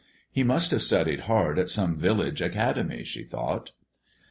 He must have studied hard at some village "academy," she thought.